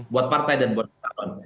buat partai dan buat calonnya